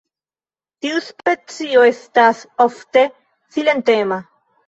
Tiu specio estas ofte silentema.